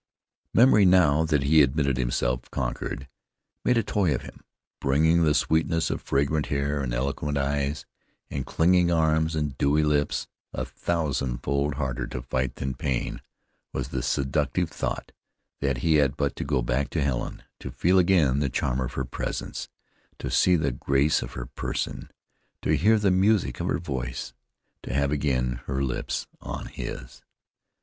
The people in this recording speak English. Memory, now that he admitted himself conquered, made a toy of him, bringing the sweetness of fragrant hair, and eloquent eyes, and clinging arms, and dewy lips. A thousand fold harder to fight than pain was the seductive thought that he had but to go back to Helen to feel again the charm of her presence, to see the grace of her person, to hear the music of her voice, to have again her lips on his.